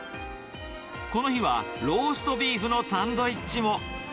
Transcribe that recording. この日は、ローストビーフのサンドイッチも。